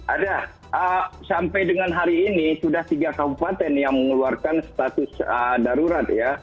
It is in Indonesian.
ada sampai dengan hari ini sudah tiga kabupaten yang mengeluarkan status darurat ya